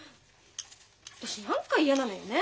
私何か嫌なのよね。